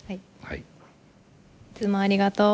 「いつもありがとう」。